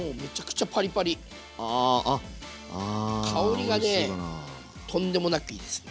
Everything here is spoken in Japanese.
香りがねとんでもなくいいですね。